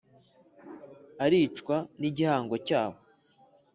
aricwa n'igihango cyabo